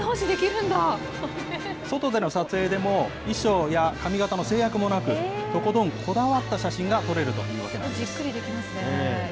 外での撮影でも、衣装や髪形の制約もなく、とことんこだわった写真が撮れるというわけなんでゆっくりできますね。